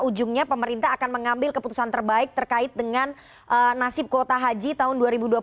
ujungnya pemerintah akan mengambil keputusan terbaik terkait dengan nasib kuota haji tahun dua ribu dua puluh satu